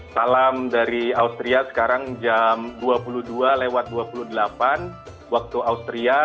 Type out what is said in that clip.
salam dari austria sekarang jam dua puluh dua lewat dua puluh delapan waktu austria